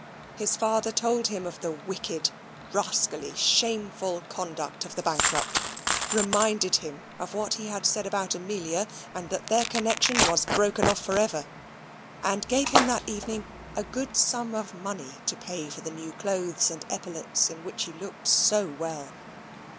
His father told him of the wicked, rascally, shameful conduct of the bankrupt, reminded him of what he had said about Amelia, and that their connection was broken off for ever; and gave him that evening a good sum of money to pay for the new clothes and epaulets in which he looked so well.